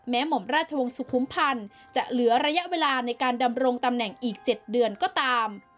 หม่อมราชวงศ์สุขุมพันธ์จะเหลือระยะเวลาในการดำรงตำแหน่งอีก๗เดือนก็ตาม